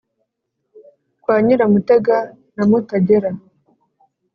kwa nyiramutega na mutagera